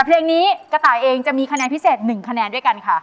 เพลงนี้กระต่ายเองจะมีคะแนนพิเศษ๑คะแนนด้วยกันค่ะ